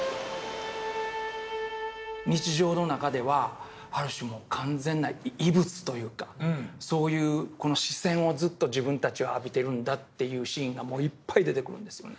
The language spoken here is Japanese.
日常の中ではある種もう完全な異物というかそういう視線をずっと自分たちは浴びてるんだというシーンがもういっぱい出てくるんですよね。